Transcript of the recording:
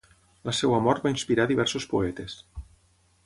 La seva mort va inspirar diversos poetes.